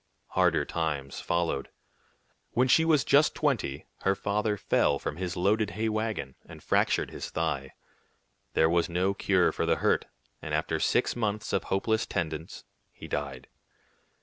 Harder times followed. When she was just twenty, her father fell from his loaded hay wagon, and fractured his thigh. There was no cure for the hurt, and after six months of hopeless tendance, he died.